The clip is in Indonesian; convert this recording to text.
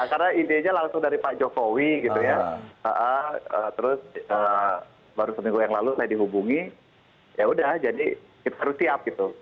karena ini ide nya langsung dari pak jokowi gitu ya terus baru seminggu yang lalu saya dihubungi yaudah jadi kita harus siap gitu